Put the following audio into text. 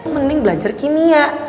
mending belajar kimia